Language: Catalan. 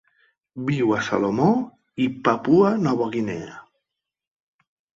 Viu a Salomó i Papua Nova Guinea.